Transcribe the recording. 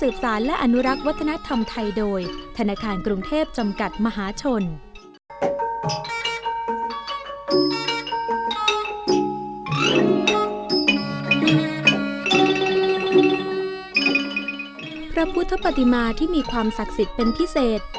พระพุทธปฏิมาที่มีความศักดิ์สิทธิ์เป็นพิเศษ